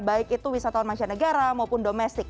baik itu wisataun masyarakat negara maupun domestik